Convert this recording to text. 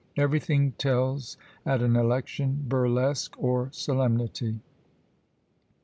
Everything tells at an election, burlesque or solemnity!